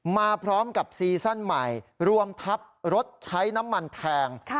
มาพร้อมกับซีซั่นใหม่รวมทับรถใช้น้ำมันแพง